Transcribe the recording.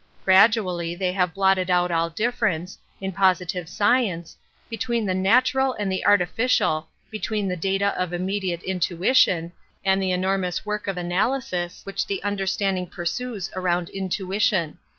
Gradually they have blotted out all difference, in positive science, between the natural and the arti ficial, between the data of immediate intu ition, and the enormous work of analysis which the understanding pursues round I r 78 An Introduction to intuition.